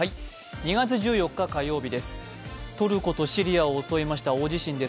２月１４日火曜日です。